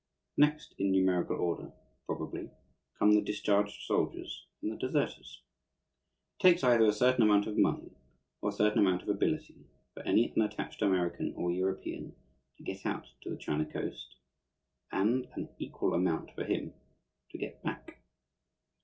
Next in numerical order, probably, come the discharged soldiers and the deserters. It takes either a certain amount of money or a certain amount of ability for any unattached American or European to get out to the China Coast, and an equal amount for him to get back.